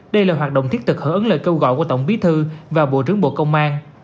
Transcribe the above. đây là hoạt động thiết thực hở ứng lời kêu gọi của tổng bí thư và bộ trưởng bộ công an